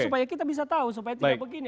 supaya kita bisa tahu supaya tidak begini